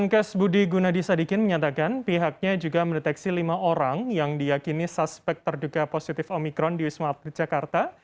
menkes budi gunadisadikin menyatakan pihaknya juga mendeteksi lima orang yang diakini suspek terduga positif omikron di wisma atlet jakarta